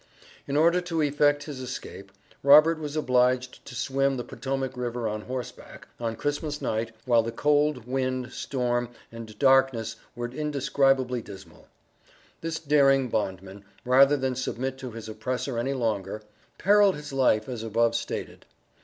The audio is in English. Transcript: In order to effect his escape, Robert was obliged to swim the Potomac river on horseback, on Christmas night, while the cold, wind, storm, and darkness were indescribably dismal. This daring bondman, rather than submit to his oppressor any longer, perilled his life as above stated.